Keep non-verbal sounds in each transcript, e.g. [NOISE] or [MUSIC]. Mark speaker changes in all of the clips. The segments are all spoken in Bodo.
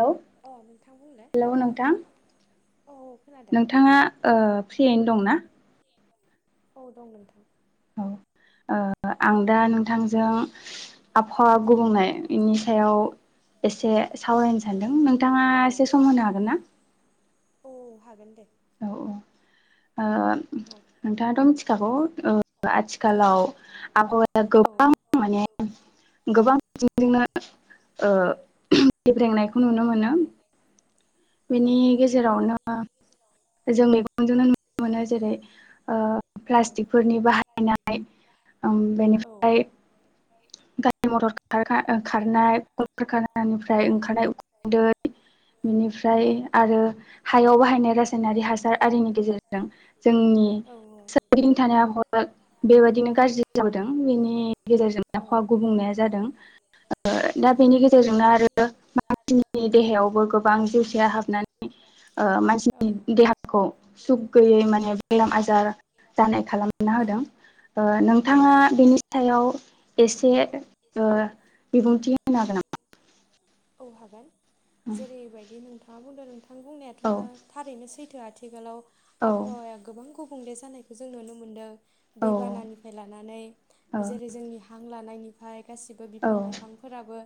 Speaker 1: औ'
Speaker 2: अ नोंथां बुंलाय
Speaker 1: हेल' नोंथां।
Speaker 2: औ खोनादों
Speaker 1: नोंथाङा ओ फ्रियैनो दंना?
Speaker 2: औ दं नोंथां।
Speaker 1: ओ आं दा नोंथांजों आबहावा गुबुंनायनि सायाव एसे सावरायनो सान्दों। नोंथाङा
Speaker 2: औ
Speaker 1: एसे सम होनो हागोन ना?
Speaker 2: औ हागोन दे
Speaker 1: औ औ ओ
Speaker 2: औ
Speaker 1: नोंथाङाथ' मिथिखागौ ओ आथिख खालाव आबहावाया
Speaker 2: औ
Speaker 1: गोबां माने गोबां बिथिंखैजानो ओ गेब्रेंनायखौ
Speaker 2: औ
Speaker 1: नुनो मोनो।
Speaker 2: औ
Speaker 1: बेनि गेजेरावनो औ। जों मेगनजोंनो नुनो मोनो जेरै- ओ प्लास्टिकफोरनि बाहायनाय ओम बेनिफ्राय [UNINTELLIGIBLE] गारि- मटरनिफ्राय ओंखारनाय, कल कारखानानिफ्राय ओंखारनाय
Speaker 2: औ
Speaker 1: उखुन्दै बिनिफ्राय
Speaker 2: औ
Speaker 1: आरो हायाव बाहायनाय रासायनारि हासार आरिनि गेजेरजों जों नि
Speaker 2: औ
Speaker 1: सोरगिदिं थानाय आबहावाया बेबायदिनो गाज्रि जाबोदों। बेनि गेजेरजों आबहावा गुबुंनाया जादों। ओ दा बेनि गेजेरजोंनो आरो मानसिनि देहायावबो गोबां जिउसाया हाबनानै ओ मानसिनि देहाखौ सुख गैयै माने बेराम-आजार जानाय खालामना होदों। ओ नोंथाङा बेनि सायाव
Speaker 2: औ
Speaker 1: एसे ओ बिबुंथि होनो हागोन नामा?
Speaker 2: औ हागोन जेरैबायदि नोंथाङा बुंदों नोंथां बुंनायाथ'
Speaker 1: औ
Speaker 2: थारैनो सै थो आथिखालाव आबहावाया गोबां गुबुंले जानायखौ जों नुनो मोनदों।
Speaker 1: नंगौ
Speaker 2: दैबानानिफाय लानानै
Speaker 1: औ
Speaker 2: जेरै-जोंनि हां लानायनि गासिबो
Speaker 1: औ
Speaker 2: बिफां लाइफांफोराबो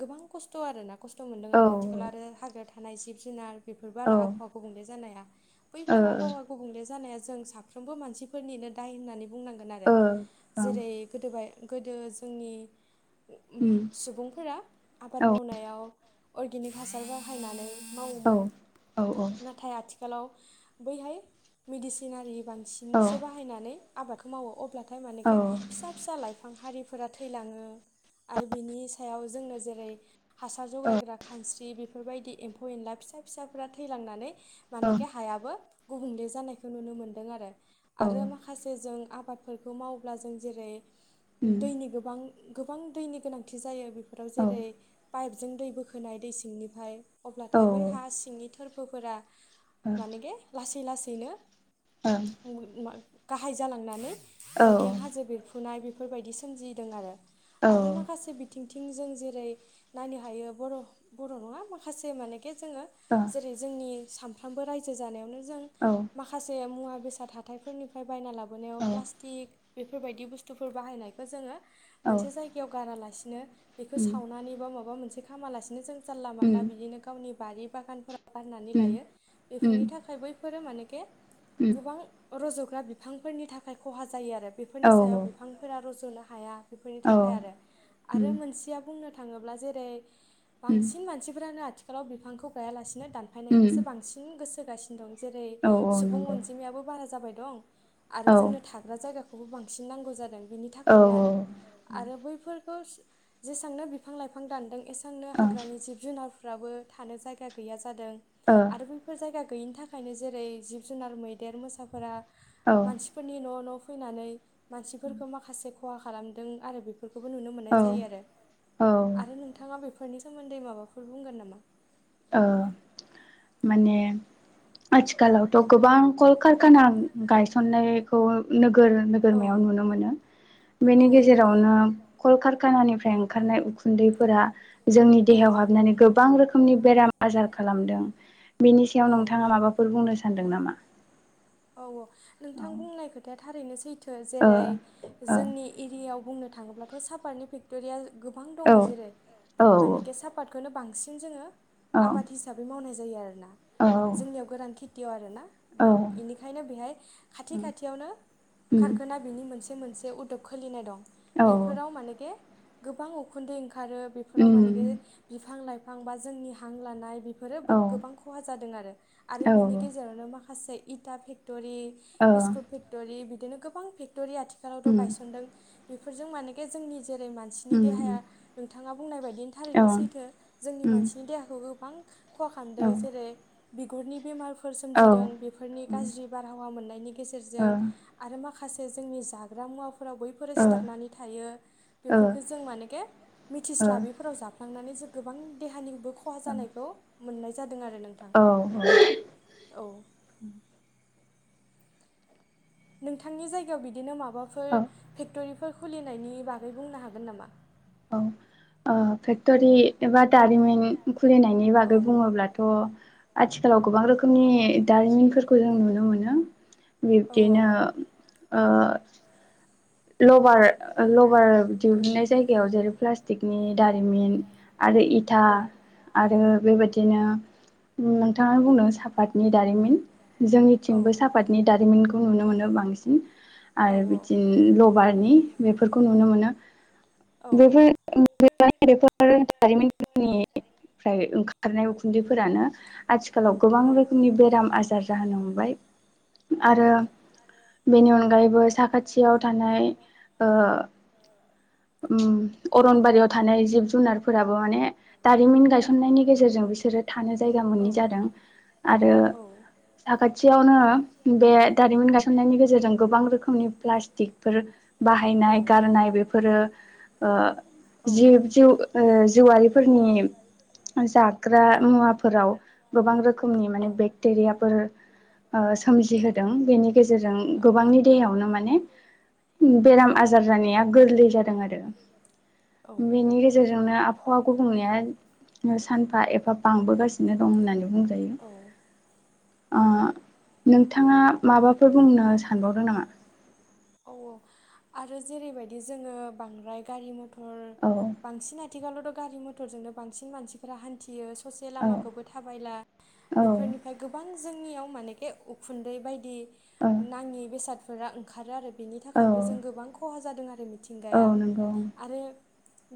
Speaker 2: गोबां खस्त' आरोना खस्त' मोनदों आरो आथिखाल
Speaker 1: ओ
Speaker 2: आरो हाग्रा थानाय जिब जुनार बेफोरबो आरो
Speaker 1: ओ
Speaker 2: आबहावा गुबुंले जानाया बैफोर आबहावा गुबुंले जानाया जों साफ्रोमबो मानसिफोरनिनो दाय होननानै बुंनांगोन आरो। जेरै गोदोबाय गोदो जोंनि सुबुंफोरा आबाद मावनायाव अर्गेनिक हासार बाहायनानै मावोमोन। नाथाय आथिख खालाव बैहाय मेडिसिनारि बांसिनसो बाहायनानै आबादखौ मावो। अब्ला थाय मानिके फिसा-फिसा लाइफां हारिफ फोरा थैलाङो आरो बिनि सायाव जोंनो जेरै हासार जगायग्रा खानस्रि बि बेफोरबायदि एम्फौ- एनला फिसा फिसाफोरा थैलांनानै मानेखि हायाबो गुबुंले जानायखौ नुनो मोन्दों आरो। आरो माखासे जों आबादफोरखौ मावब्ला जों जेरै- [UNINTELLIGIBLE] दैनि गोबां गोबां दैनि गोनांथि जायो बेफोराव जेरै पाइपजों दै बोखोनाय दै सिं निफाय अब्लाथाय बै हा सिंनि थोरफोफोरा माने गे लासै लासैनो [UNINTELLIGIBLE] गाहाय जालांनानै अरगें हाजो बेरफ्रुनाय बेफोरबायदि सोमजिदों आरो आरो माखासे बिथिं थिं जों जेरै नायनो हायो बर' बर' नङा माखासे माने के जोङो जेरै जोंनि सानफ्रामबो रायजो जानायावनो जों माखासे मुवा बेसाद हाथायफोरनिफ्राय बायना लाबोनायाव प्लास स्टिक बेफोरबायदि बुस्थुफोर बाहायनाय ओ जोङो मोनसे जायगायाव गारा लासिनो बेखौ सावनानै बा माबा मोनसे खालामालासेनो जों जान ला मानला बिदिनो गावनि बारि बागानफोराव गारनानै लायो। बेफोरनि थाखाय बैफोरो मानेके गोबां रजग्रा बिफांफोरनि थाखाय खहा जायो आरो बेफोरनि सायाव बिफांफोरा रज'नो हाया। बेफोरनि थाखाय आरो आरो मोनसेया बुंनो थाङोब्ला जेरै बांसिन मानसिफोरानो आथिखालाव बिफांखौ गायालासिनो दानफायनायखौसो बांसिन गोसो होगासिनो दं जेरै सुबुं अनजिमायाबो बारा जाबाय दं आरो जोंनो थाग्रा जायगाखौबो बांसिन नांगौ जादों बिन खायनो आरो आरो बैफोर खोस जेसांनो बिफां-लाइफां दानदों एसांनो हाग्रानि जिब-जुनारफ्राबो थानो जायगा गैया जा जादों आरो बैफोर जायगा गैयिनि थाखायनो जेरै जिब जुनार मैदेर मोसाफोरा मानसिफोरनि न' न' फैनानै मानसिफोरखौ माखासे खहा खालामदों आरो बे बेफोरखौबो नुनो मोननाय जायो
Speaker 1: औ
Speaker 2: आरो।
Speaker 1: औ
Speaker 2: आरो नोंथांङा बेफोरनि सोमोन्दै माबाफोर बुंगोन नामा?
Speaker 1: ओ माने आथिखालावथ' गोबां कल कारखाना गायसननायखौ नोगोर
Speaker 2: औ
Speaker 1: नोगोरमायाव नुनो मोनो
Speaker 2: औ
Speaker 1: बेनि
Speaker 2: नंगौ
Speaker 1: गेजेरावनो कल कारखानानिफ फ्राय ओंखारनाय उखुन्दैफोरा जोंनि
Speaker 2: औ
Speaker 1: देहायाव
Speaker 2: औ
Speaker 1: हाबनानै गोबां रोखोमनि बेराम आजार खालामदों बेनि सायाव
Speaker 2: औ
Speaker 1: नोंथांङा माबाफोर बुंनो सानदों नामा?
Speaker 2: औ औ
Speaker 1: औ
Speaker 2: नोंथां बुंनाय खोथाया थारैनो सैथो
Speaker 1: ओ
Speaker 2: जेरै
Speaker 1: औ
Speaker 2: जोंनि एरियायाव बुंनो थाङोब्लाथ' सापातनि फेक्टरिया गोबां दङ जेरै
Speaker 1: औ
Speaker 2: मानेखे सापातखोनो बांसिन जोंङो
Speaker 1: औ
Speaker 2: आबाद हिसाबै मावनाय जायो आरोना
Speaker 1: औ
Speaker 2: जोंनियाव गोरान खेथियाव आरोना।
Speaker 1: औ।
Speaker 2: बेनिखायनो बेहाय खाथि खाथियावनो
Speaker 1: उम
Speaker 2: खारखाना बेनि मोनसे मोनसे जे उदग खुलिनाय दं
Speaker 1: औ
Speaker 2: बेफोराव मानेखे गोबां उखुन्दै ओंखा ओंखारो बेफोराव मानेखे
Speaker 1: उम
Speaker 2: बिफां-लाइफां बा जोंनि हां लानाय बेफोरो
Speaker 1: औ
Speaker 2: गोबां खहा जादों आरो आरो
Speaker 1: औ
Speaker 2: बिनि गेजेरावनो माखासे इटा फेक फेक्टरि
Speaker 1: ओ
Speaker 2: बिस्कुट फेक्टरि बिदिनो गोबां फेक्टरि आथिखालावथ'
Speaker 1: उम
Speaker 2: गायसनदों। बेफोरजों मानेके जोंनि जेरै मानसिनि
Speaker 1: उम उम
Speaker 2: देहाया नोंथांङा बुंनाय बायदिनो थारैनो
Speaker 1: औ
Speaker 2: सैथो जोंनि
Speaker 1: उम
Speaker 2: मानसिनि देहाखौ गोबां खहा
Speaker 1: औ
Speaker 2: खालामदों जेरै बिगुरनि बेमारफोर
Speaker 1: औ
Speaker 2: सोमजिदों बेफो
Speaker 1: उम
Speaker 2: गाज्रि बारहावा मोननायनि गेजेरजों
Speaker 1: ओ
Speaker 2: आरो माखासे जोंनि जाग्रा मुवा फ फोराव बैफोरो
Speaker 1: ओ
Speaker 2: सिथाबनानै थायो
Speaker 1: ओ
Speaker 2: बेफोरखो जों माने के
Speaker 1: औ
Speaker 2: मिथिस्लाबैफोराव जाफ्लांनानै जों गोबां देहानिबो खहा जानायखौ मोननाय दों आरो नोंथां
Speaker 1: औ
Speaker 2: औ। नोंथांनि जायगायाव बिदिनो माबाफोर
Speaker 1: औ
Speaker 2: फेक्टरि फोर खुलिनायनि बागै बुंनो हागोन नामा?
Speaker 1: औ ओ फेक्टरि एबा दारिमिन खुलिनायनि
Speaker 2: औ
Speaker 1: बागै बुङोब्लाथ' आथिखालाव गोबां रोखोमनि दारिमिनफोरखौ जों नुनो मोनो।
Speaker 2: औ
Speaker 1: बिब्दिनो ओ लबार लबार दिहुनन्नाय जायगायाव जेरै प्लास्टिकनि दारिमिन आरो इथा
Speaker 2: औ
Speaker 1: आरो बेबायदि। बिदिनो नोंथांङा बुंदों सापातनि दारिमिन।
Speaker 2: औ
Speaker 1: जोंनिथिंबो सापातनि दारिमिनखौ नुनो मोनो बांसिन
Speaker 2: औ
Speaker 1: आरो बिदिनो। लबारनि बेफोरखौ नुनो मोनो। [INAUDIBLE] ओमफ्राय ओंखारनाय उखुन्दैफोरानो। आथिखालाव गोबां रोखोमनि बेराम आजार जाहोनो मोनबाय आरो। बेनि अनगायैबो साखाथियाव थानाय। अरनबारियाव थानाय जिब जुनारफोराबो माने दारिमिन गायसननायनि गेजेरजों बिसोरो। थानो जायगा मोनि जादों। आरो
Speaker 2: औ
Speaker 1: साखाथियावनो बे दारिमिन गासननायनि गेजेरजों गोबां रोखोमनि ब्ला थिखफोर
Speaker 2: औ
Speaker 1: बाहायनाय गारनाय बेफोरो ओ
Speaker 2: औ
Speaker 1: जिब जिउ ओ जिउआारिफोरनि जाग्रा मुवाफोराव गोबां रोखोमनि माने
Speaker 2: औ
Speaker 1: बेक्टेरियाफोर ओ सोमजिहोदों
Speaker 2: ओ
Speaker 1: बेनि गेजेरजों
Speaker 2: औ औ
Speaker 1: गोबांनि देहायावनो माने बेराम आजार जानाया
Speaker 2: औ
Speaker 1: गोरलै जादों आरो
Speaker 2: आरो। औ
Speaker 1: बेनि गेजेरजों आबहावा गुबुंनाया सानफा एफा बांबोगासिनो बिनो दं होननानै बुंजायो।
Speaker 2: औ
Speaker 1: ओ नोंथाङा माबाफोर बुंनो सानबावदों नामा?
Speaker 2: औ औ आरो जेरैबायदि जोङो बांद्राय गारि मथर
Speaker 1: औ
Speaker 2: फोर बांसिन आथिखालावथ' गारि मथरजोंनो बांसिन मानसिफोरा हान्थियो। ससे
Speaker 1: औ
Speaker 2: लामाखौबो थाबायला
Speaker 1: औ
Speaker 2: बेफोरनिफ्राय गोबां जोंनियाव मानेके उखुन्दै बायदि
Speaker 1: ओ
Speaker 2: नाङि बेसादफोरा ओंखारो आरो बेनि थाखायबो
Speaker 1: औ
Speaker 2: जों गोबां खहा जादों आरो।
Speaker 1: औ
Speaker 2: मिथिंगाया
Speaker 1: नंगौ
Speaker 2: आरो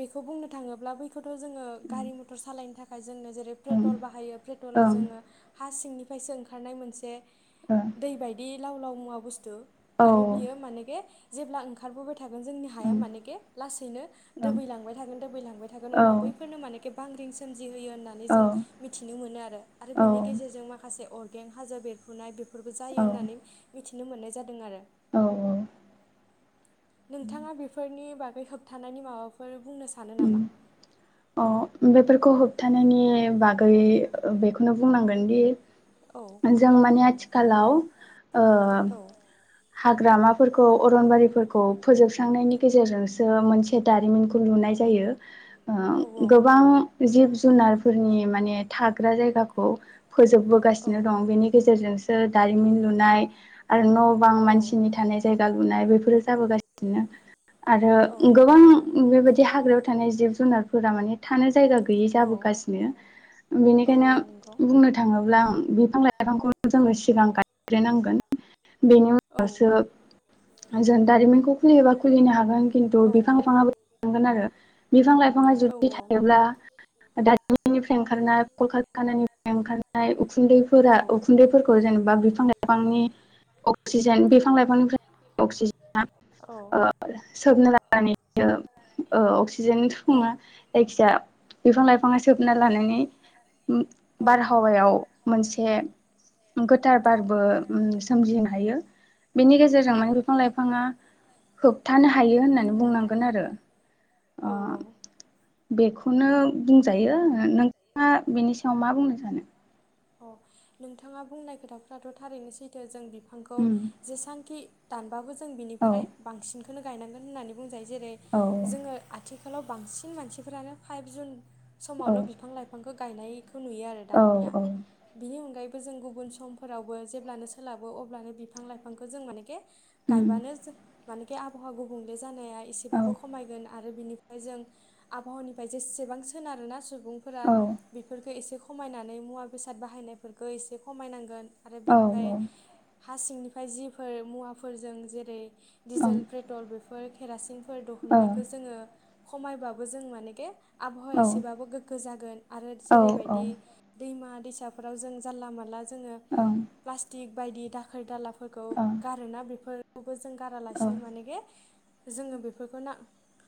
Speaker 2: बेखौ बुंनो थाङोब्ला बै खोथ' जोङो
Speaker 1: ओं
Speaker 2: गारि मथर सालायनो थाखाय जोंनो जेरै
Speaker 1: ओं
Speaker 2: प्रेट्रल बाहायो प्रेट्रला
Speaker 1: ओं
Speaker 2: जोङो हा सिंनि फ्रायसो ओंखारनाय मोनसे
Speaker 1: ओं
Speaker 2: दै बायदि लाव लाव मुवा बुस्थु।
Speaker 1: औ
Speaker 2: आरो
Speaker 1: ओं
Speaker 2: बियो माने बे जेब्ला ओंखारबोबाय थाय थागोन जोंनि साया माने के लासैनो
Speaker 1: ओं औ
Speaker 2: दोबैलांबाय थागोन दोबैलांबाय थागोन
Speaker 1: औ
Speaker 2: उनाव बैफोरनो माने के बांग्रिं सोमजिहोयो होननानै जों मिथिनो मोनो आरो बिनि गेजेरजों माखासे अर गें हाजो बेरफ्रुनाय बेफोरबो
Speaker 1: औ
Speaker 2: जायो होननानै मिथिनो मोननाय जादों आरो।
Speaker 1: औ औ
Speaker 2: नोंथाङा बेफोरनि बागै होबथानायनि माबाफोर बुंनो सान
Speaker 1: उम अ' बेफोर खौ होबथानायनि बागै ओ बेखौनो बुंनांगोन दि
Speaker 2: औ
Speaker 1: जों माने आथिखालाव ओ
Speaker 2: औ
Speaker 1: हाग्रामाफोरखौ अरनबारिफोरखौ फोजोबस्रांनायनि गेजेरजोंसो मोनसे दारिमिनखौ लुनाय जायो
Speaker 2: औ
Speaker 1: ओ गोबां जिब जुनारफोरनि माने थाग्रा जायगाखौ फोजोबबोगासिनो दं बेनि गेजेरजोंसो दारिमिन लुनाय आरो न' बां मानसिनि थानाय जायगा लुनाय बेफोरो जाबोगासिनो ना आरो
Speaker 2: औ
Speaker 1: गोबां बेबायदि बे हाग्रायाव थानाय जिब जुनारफोरा माने थानो जायगा गैयै
Speaker 2: औ
Speaker 1: जाबोगासिनो।
Speaker 2: औ
Speaker 1: बेनिखायनो
Speaker 2: औ नंगौ
Speaker 1: बुंनो थाङोब्ला आं बिफां लाइफांखौ जोङो सिगां गायग्रोनांगोन। बेनि
Speaker 2: औ
Speaker 1: उनावसो जों दारिमिनखौ
Speaker 2: औ
Speaker 1: खुलियोबा खुलिनो हागोन खिन्थु बिफां लाइफांआबो थांगोन आरो बिफां लाइफाङा जुदि थायोब्ला दारिमिननिफ्राय ओंखारनाय कलकारखानानिफ्राय ओंखारनाय उखुन्दैफोरा उखुन्दैफोरखौ जों बा बिफां लाइफांनि अक्सिजेन बिफां लाइफांनिफ्राय अक्सिजेना ओ सोबननानै लायो ओ अक्सि जेननो थाङा जायखि जाया बिफां लाइफाङा सोबना लानानै बारहावायाव मोनसे गोथार बारबो उम सोमजिहोनो हायो। बेनि गेजेरजों माने बिफां लाइफाङा होबथानो हायो होननानै बुंनांगोन आरो। ओ
Speaker 2: औ औ।
Speaker 1: बेखौनो बुंजायो ओ नोंथाङा बेनि सायाव मा बुंनो सानो।
Speaker 2: अ' नोंथाङा बुंनाय खोथाफ्राथ' थारैनो सैथो जों बिफांखौ
Speaker 1: उम
Speaker 2: जेसांखि बाबो जों
Speaker 1: औ
Speaker 2: बिनिफ्राय बांसिनखोनो गायनांगोन होननानै बुंजायो जेरै
Speaker 1: औ
Speaker 2: जोङो आथिखाल खालाव बांसिन मानसिफोरानो फाइभ जुन
Speaker 1: औ
Speaker 2: समावल' बिफां लाइफांखौ गायनाय खौ नुयो आरो
Speaker 1: औ
Speaker 2: दानिया।
Speaker 1: औ
Speaker 2: बिनि अनगायैबो जों गुबुन समफोरावबो जेब्लानो सोलाबो अब्लानो बिफां लाइफांखौ जों मानेखे
Speaker 1: उम
Speaker 2: गायबानो मानेखि आबहावा गुबुंले जानाया
Speaker 1: औ
Speaker 2: एसेबाबो खमायगोन। आरो बिनिफ्राय जों आबहावानिफ्राय जेसेबां सोनारोना सुबुंफोरा
Speaker 1: औ
Speaker 2: बेफोरखो एसे ख खमायनानै मुवा बेसाद बाहायनायफोरखौ एसे खमायनांगोन आरो
Speaker 1: औ
Speaker 2: बेनिफ्राय हा सिंनिफ्राय जिफोर मुवाफोरजों जेरै
Speaker 1: ओं
Speaker 2: डिजेल पेट्रल बेफोर केरासिन। फोर दिहुननायखो
Speaker 1: ओ
Speaker 2: जोङो खमायबाबो जों मानेेखे आबहाव एसेबाबो गोग्गो जागोन आरो
Speaker 1: औ
Speaker 2: जेरैबायदि दैमा दैसाफोराव जों जानला मोनला जोङो
Speaker 1: औ
Speaker 2: प्लासटिक बायदि दाखोर-दालाफो फोरखौ
Speaker 1: ओं
Speaker 2: गारोना बेफोरखौबो जों
Speaker 1: ओ
Speaker 2: गारालासिनो मानेखे जोङो बेफोरखौ ना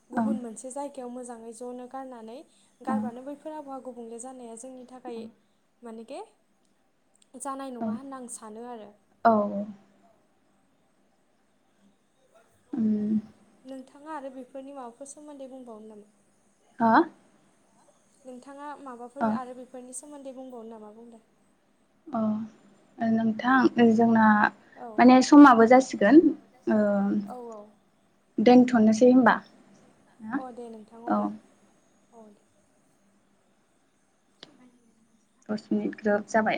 Speaker 1: ओं
Speaker 2: गुबुन मोनसे जायगायाव मोजाङै ज'नो गारनानै
Speaker 1: ओं
Speaker 2: गारबानो बैफोर आबहावा गुबुंले जानाया ज जोंनि थाखाय मानेखे जानाय नङा
Speaker 1: ओं
Speaker 2: होनना आं सानो आरो।
Speaker 1: औ उम।
Speaker 2: नोंथाङा आरो बेफोरनि माबाफोर सोमोन्दै बुंबावनो नामा?
Speaker 1: हा
Speaker 2: नोंथाङा माबाफोर आरो बेफोरनि सोमोन्दै बुंबावनो नामा बुंदों।
Speaker 1: अ नोंथां जोंना।
Speaker 2: औ
Speaker 1: माने समाबो जासिगोन ओ
Speaker 2: औ
Speaker 1: दोन दोनथ'नोसै होनबा हो
Speaker 2: औ अ दे नोंथां
Speaker 1: अ।
Speaker 2: अब्ला [UNINTELLIGIBLE]
Speaker 1: दस मिनिट ग्रोब जाबाय।